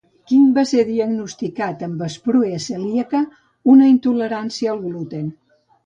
King va ser diagnosticat amb esprue celíaca, una intolerància al gluten.